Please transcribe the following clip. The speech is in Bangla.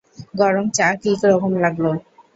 গরম চা কী রকম লাগল?